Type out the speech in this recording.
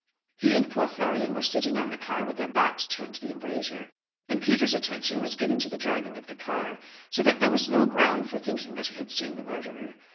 He and poor Florian were sitting on the car with their backs turned to the embrasure; and Peter's attention was given to the driving of the car, so that there was no ground for thinking that he had seen the murderer.